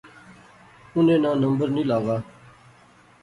انیں ناں نمبر نی لغا